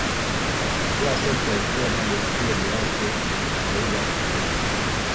kila sekta ikiwa na desturi yake na lugha tofauti